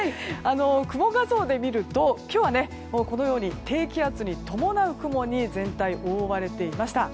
雲画像で見ると今日は低気圧に伴う雲に全体覆われていました。